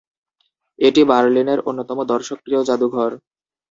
এটি বার্লিনের অন্যতম দর্শকপ্রিয় জাদুঘর।